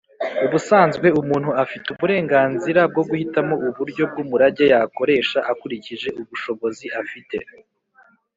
ubusanzwe umuntu afite uburenganzira bwo guhitamo uburyo bw’umurage yakoresha akuriki- je ubushobozi afite.